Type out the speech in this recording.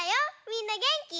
みんなげんき？